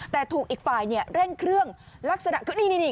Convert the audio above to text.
แต่ถูกอีกฝ่ายเร่งเครื่องลักษณะคือนี่